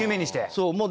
そう。